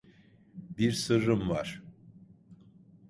Bir sırrım var.